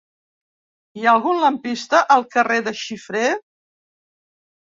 Hi ha algun lampista al carrer de Xifré?